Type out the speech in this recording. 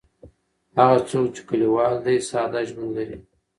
هغه څوک چې کلیوال دی ساده ژوند لري.